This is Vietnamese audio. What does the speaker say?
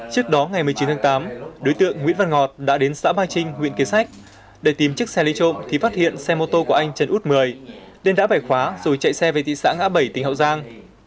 trước đó ngày một mươi chín tháng tám đối tượng nguyễn văn ngọt đã đến xã ba trinh huyện kế sách để tìm chiếc xe lấy trộm thì phát hiện xe mô tô của anh trần út mười nên đã bẻ khóa rồi chạy xe về thị xã ngã bảy tỉnh hậu giang